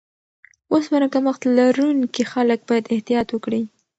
اوسپنه کمښت لرونکي خلک باید احتیاط وکړي.